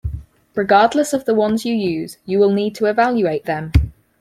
Regardless of the ones you use, you will need to evaluate them.